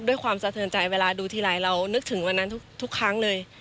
สะเทินใจเวลาดูทีไรเรานึกถึงวันนั้นทุกครั้งเลย